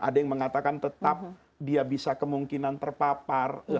ada yang mengatakan tetap dia bisa kemungkinan terpapar